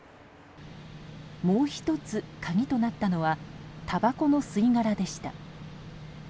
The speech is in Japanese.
もう１つ、鍵となったのはたばこの吸い殻でした。